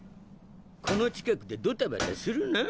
この近くでドタバタするな！